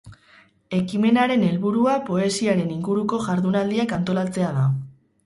Ekimenaren helburua poesiaren inguruko jaurdunaldiak antolatzea da.